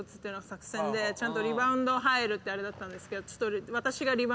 ちゃんとリバウンド入るってあれだったんですけど